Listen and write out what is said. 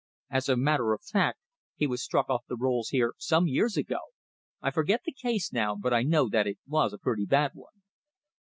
As a matter of fact, he was struck off the rolls here some years ago. I forget the case now, but I know that it was a pretty bad one."